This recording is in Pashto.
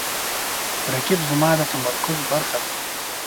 رقیب زما د تمرکز برخه ده